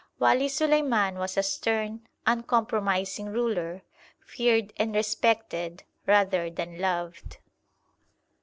Wali Suleiman was a stern, uncompromising ruler, feared and respected, rather than loved.